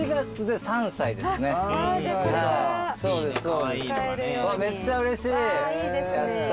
うわめっちゃうれしい。